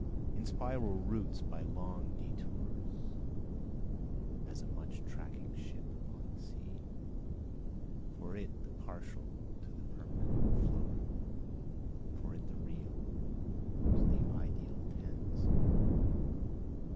In spiral routes by long detours, (As a much tacking ship upon the sea,) For it the partial to the permanent flowing, For it the real to the ideal tends.